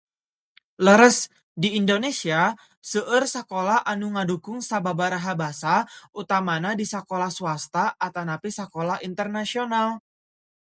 Leres. Di Indonesia, seueur sakola anu ngadukung sababaraha basa, utamana di sakola swasta atanapi sakola internasional.